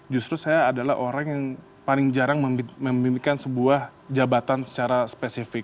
justru saya adalah orang yang paling jarang memikirkan sebuah jabatan secara spesifik